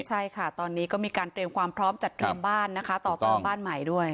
ใช่ค่ะตอนนี้ก็มีการเตรียมความพร้อมจัดเตรียมบ้านนะคะต่อต่อบ้านใหม่ด้วย